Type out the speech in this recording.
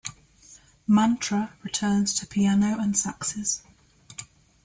"Mantra" returns to piano and saxes.